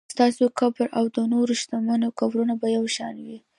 ستاسو قبر او د نورو شتمنو قبرونه به یو شان وي.